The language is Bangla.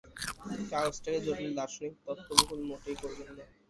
কাগজটাকে জটিল দার্শনিক তত্ত্ববহুল মোটেই করবেন না।